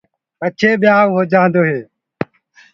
پڇي ٻيآئوٚ هوجآندو هي۔